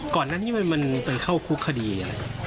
ก่อนหน้านี้มันไปเข้าคุกคดีอะไร